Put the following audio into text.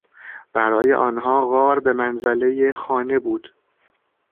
برای آنها غار به منزلهی خانه بود.